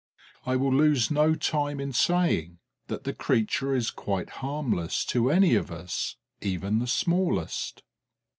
I will lose no time in saying that the creature is quite harmless to any of us, even the smallest.